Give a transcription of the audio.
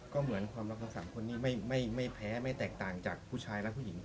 ก็เหมือนความรักทั้ง๓คนนี้ไม่แพ้ไม่แตกต่างจากผู้ชายและผู้หญิง